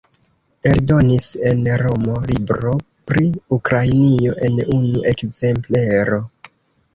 Eldonis en Romo libron pri Ukrainio en unu ekzemplero.